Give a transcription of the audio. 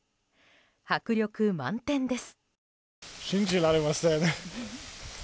迫力満点です。